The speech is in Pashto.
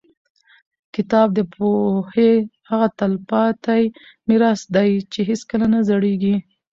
کتاب د پوهې هغه تلپاتې میراث دی چې هېڅکله نه زړېږي.